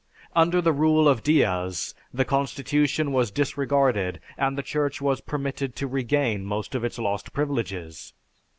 Under the rule of Diaz, the constitution was disregarded and the Church was permitted to regain most of its lost privileges.